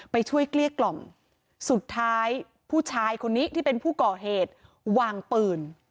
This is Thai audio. ไปช่วยเกลี้ยกล่อมสุดท้ายผู้ชายคนนี้ที่เป็นผู้ก่อเหตุวางปืน